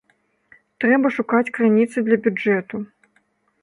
Трэба шукаць крыніцы для бюджэту.